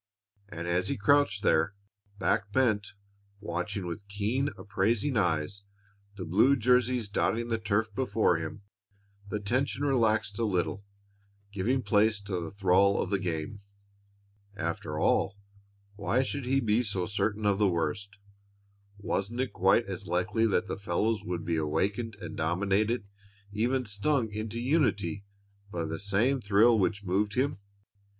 And as he crouched there, back bent, watching with keen, appraising eyes the blue jersies dotting the turf before him, the tension relaxed a little, giving place to the thrall of the game. After all, why should he be so certain of the worst? Wasn't it quite as likely that the fellows would be awakened and dominated, even stung into unity, by the same thrill which moved him?